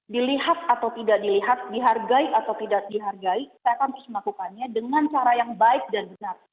dilihat atau tidak dilihat dihargai atau tidak dihargai saya akan terus melakukannya dengan cara yang baik dan benar